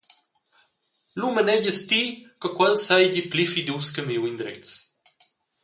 «Lu manegias ti che quel seigi pli fidus che miu indrez?»